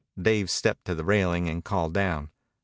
Dave stepped to the railing and called down.